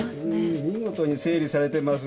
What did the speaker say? んー見事に整理されてます。